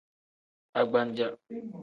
Agbaja.